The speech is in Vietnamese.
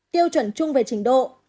tiêu chuẩn chung về trình độ